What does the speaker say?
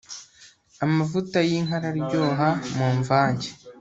amavuta y'inka araryoha mumvange